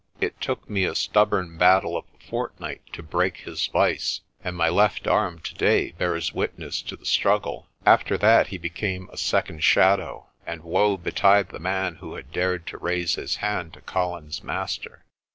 It took me a stubborn battle of a fortnight to break his vice, and my left arm today bears witness to the strug gle. After that he became a second shadow, and woe betide the man who had dared to raise his hand to Colin's master.